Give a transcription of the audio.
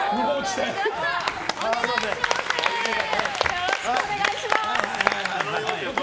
よろしくお願いします。